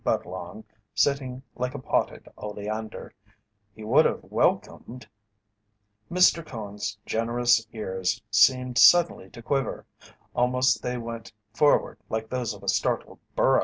Budlong sitting like a potted oleander; he would have welcomed Mr. Cone's generous ears seemed suddenly to quiver, almost they went forward like those of a startled burro.